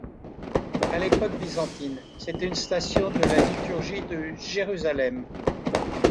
À l'époque byzantine, c'était une station de la liturgie de Jérusalem.